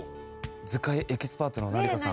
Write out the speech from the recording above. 図解エキスパートの成田さん。